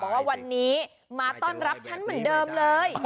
ว่าวันนี้มาต้อนรับฉันเหมือนเดิมเลย